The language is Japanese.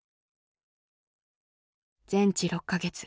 全治６か月。